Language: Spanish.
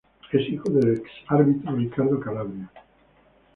Es hijo del ex árbitro Ricardo Calabria.